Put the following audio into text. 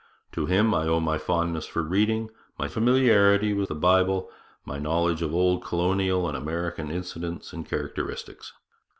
To him I owe my fondness for reading, my familiarity with the Bible, my knowledge of old Colonial and American incidents and characteristics.